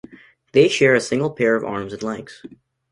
They share a single pair of arms and legs.